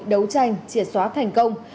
đấu tranh triệt xóa thành công